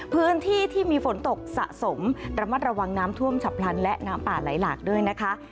พื้นที่ที่มีฝนตกสะสมระมัดระวังน้ำท่วมฉับพลันและน้ำป่าไหลหลากด้วยนะคะ